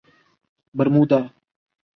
Bermuda